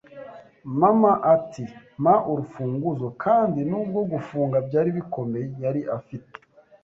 Mama ati: “Mpa urufunguzo.” kandi nubwo gufunga byari bikomeye, yari afite